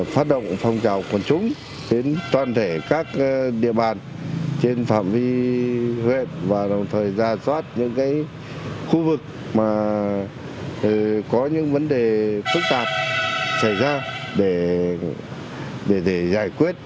phát động phong trào quân chúng đến toàn thể các địa bàn trên phạm vi huyện và đồng thời ra soát những khu vực có những vấn đề phức tạp xảy ra để giải quyết